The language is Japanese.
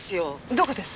どこです？